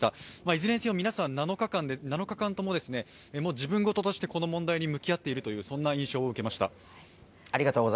いずれにせよ、皆さん７日間とも自分事としてこの問題に向き合っているという印象を受けました。